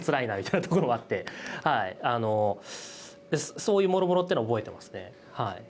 そういうもろもろってのは覚えてますね。